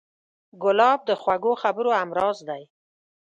ګلاب د خوږو خبرو همراز دی.